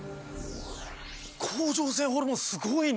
甲状腺ホルモンすごいね！